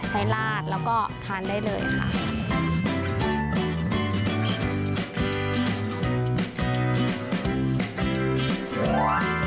ลาดแล้วก็ทานได้เลยค่ะ